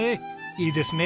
いいですね。